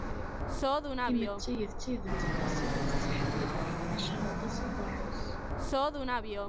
Timetti d tidet aṭas i ɣef tesseḥbiber maca aṭas i terreẓ.